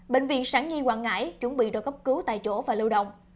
bệnh viện sản nhi quảng ngãi chuẩn bị đồ cấp cứu tại chỗ và lưu động